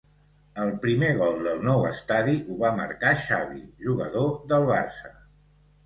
El primer gol del nou estadi ho va marcar Xavi, jugador del Barça.